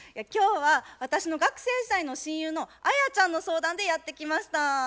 今日は私の学生時代の親友のアヤちゃんの相談でやって来ました。